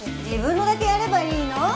自分のだけやればいいの？